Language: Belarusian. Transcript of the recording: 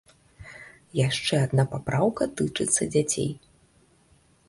Яшчэ адна папраўка тычыцца дзяцей.